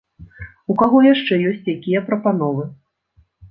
У каго яшчэ ёсць якія прапановы?